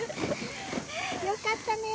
よかったね。